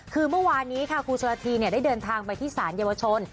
คือเมื่อวานนี้ค่ะครูชนละทีได้เดินทางไปที่สารเยาวชน